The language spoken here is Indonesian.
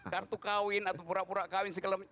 kartu kawin atau pura pura kawin segala macam